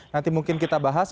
nanti mungkin kita bahas